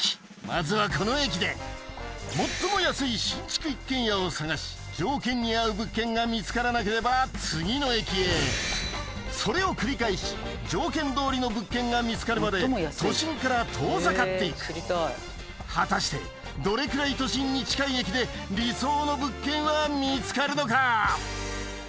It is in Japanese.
まずはこの駅で最も安い新築一軒家を探し条件に合う物件が見つからなければ次の駅へそれを繰り返し条件どおりの物件が見つかるまで都心から遠ざかっていく果たしてどれくらい都心に近い駅で理想の物件は見つかるのか？